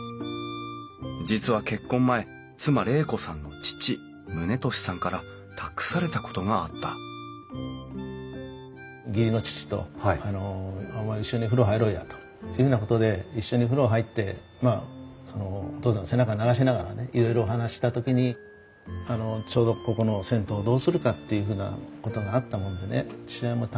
実は結婚前妻玲子さんの父宗利さんから託されたことがあったというようなことで一緒に風呂入ってまあお義父さんの背中流しながらねいろいろお話した時にちょうどここの銭湯をどうするかっていうふうなことがあったものでね。